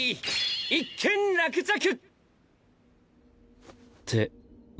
一件落着！